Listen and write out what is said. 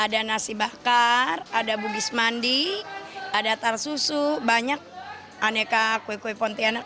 ada nasi bakar ada bugis mandi ada tar susu banyak aneka kue kue pontianak